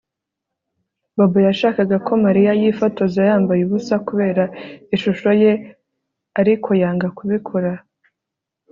Bobo yashakaga ko Mariya yifotoza yambaye ubusa kubera ishusho ye ariko yanga kubikora